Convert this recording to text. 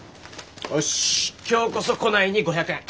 おし今日こそ来ないに５００円。